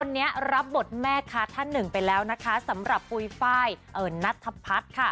ตอนนี้รับบทแม่ค้าท่านหนึ่งไปแล้วนะคะสำหรับปุ๋ยฟ่ายเอ่อนัทภัทรค่ะ